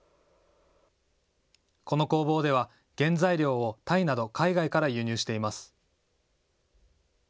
この工房では原材料をタイなど海外から輸入しています。